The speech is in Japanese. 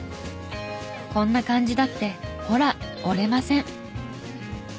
こんな漢字だってほら折れません。